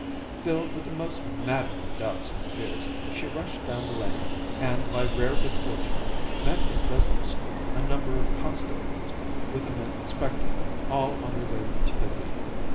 Filled with the most maddening doubts and fears, she rushed down the lane and, by rare good fortune, met in Fresno Street a number of constables with an inspector, all on their way to their beat.